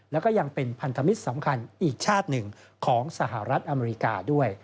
แล้วก็ยังเป็นพันธมิตรสำคัญอีกชาติหนึ่งของสหรัฐอเมริกาด้วย